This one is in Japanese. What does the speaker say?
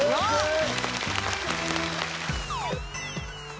はい。